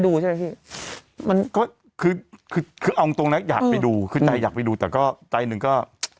คือคือคือคือเอาตรงนั้นอยากไปดูคือใจอยากไปดูแต่ก็ใจหนึ่งก็